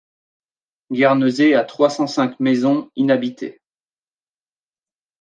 Guernesey a trois cent cinq maisons inhabitées.